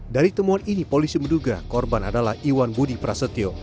dari temuan ini polisi menduga korban adalah iwan budi prasetyo